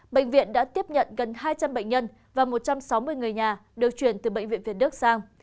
bệnh viện đã tiếp nhận gần hai trăm linh bệnh nhân và một trăm sáu mươi người nhà được chuyển từ bệnh viện việt đức sang